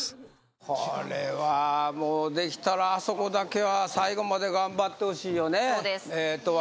これはもうできたらあそこだけは最後まで頑張ってほしいよね